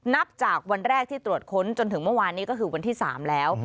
นับจากวันแรกที่ตรวจค้นจนถึงเมื่อวานนี้ก็คือวันที่๓แล้ว